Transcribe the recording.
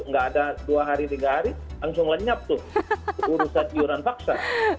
nggak ada dua hari tiga hari langsung lenyap tuh urusan iuran paksa